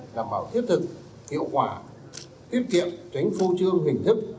đảm bảo thiết thực hiệu quả tiết kiệm tránh phô trương hình thức